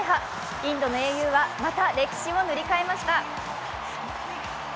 インドの英雄はまた歴史を塗り替えました。